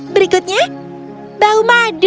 berikutnya bau madu